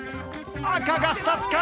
赤が差すか？